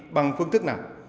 bằng phương thức nào